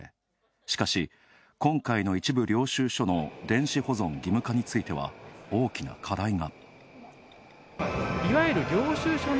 しかし、今回の一部領収書の電子保存義務化については大きな課題が。